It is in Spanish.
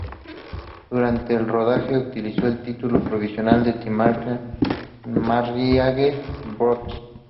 Durante el rodaje utilizó el título provisional de "The Marriage Broker".